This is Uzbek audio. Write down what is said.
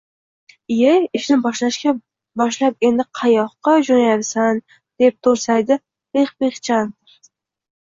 – Iye, ishni boshlashga boshlab, endi qayoqqa jo‘nayapsan? – deb to‘rsaydi Pixpix Chandr